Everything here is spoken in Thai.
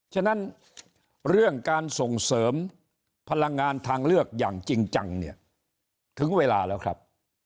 ฉะนั้นเรื่องการส่งเสริมพลังงานทางเลือกอย่างจริงจังเนี่ยถึงเวลาแล้วครับ